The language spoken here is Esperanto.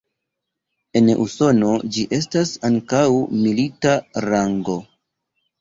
En Usono ĝi estas ankaŭ milita rango.